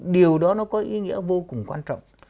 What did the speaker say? điều đó nó có ý nghĩa vô cùng quan trọng